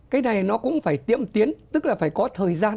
cái này nó cũng phải tiệm tiến tức là phải có thời gian